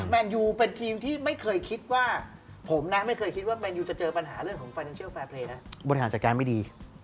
มันได้ยินคำนี้มาตลอดว่ามันอยู่รวยสุดที่โลกรวยสุดที่โลก